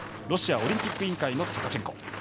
ロシアオリンピック委員会のトカチェンコ。